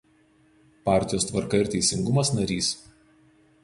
Partijos Tvarka ir Teisingumas narys.